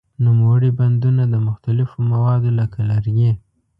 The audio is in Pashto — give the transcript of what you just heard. نوموړي بندونه د مختلفو موادو لکه لرګي.